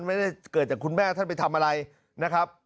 ไม่ได้เกิดจากคุณแม่ท่านไปทำอะไรนะครับ